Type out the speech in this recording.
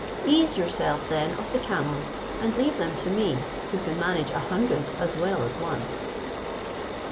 Ease yourself then of the camels, and leave them to me, who can manage a hundred as well as one."